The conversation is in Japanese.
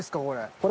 これ。